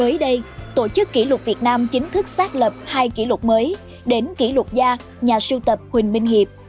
mới đây tổ chức kỷ lục việt nam chính thức xác lập hai kỷ lục mới đến kỷ lục gia nhà sưu tập huỳnh minh hiệp